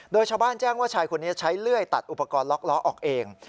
โดยชาวบ้านแจ้งว่าชายคนนี้ใช้เลื่อยตัดอุปกรณ์ล็อกล้อออกเอง